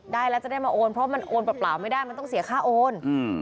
ได้แล้วจะได้มาโอนเพราะมันโอนเปล่าไม่ได้มันต้องเสียค่าโอนอืม